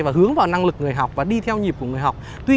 và hướng vào năng lực người học và đi theo nhịp của người học